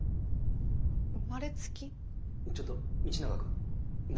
ちょっと道永君何？